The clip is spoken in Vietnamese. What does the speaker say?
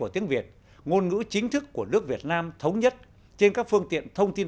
tiếng việt của chúng ta rất giàu tiếng việt của chúng ta rất đẹp